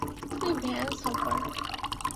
তুমি ভ্যান্স হপার।